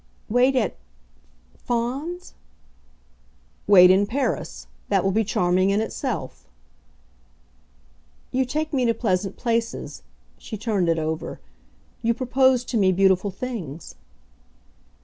"Wait a at Fawns?" "Wait in Paris. That will be charming in itself." "You take me to pleasant places." She turned it over. "You propose to me beautiful things."